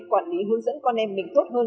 quản lý hướng dẫn con em mình tốt hơn